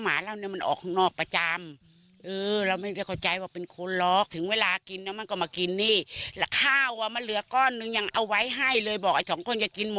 แล้วมันหรือแหลกกล้องสาธิภัยสุนอนที่ห้ายว่าเมืองเป็นบุคลิน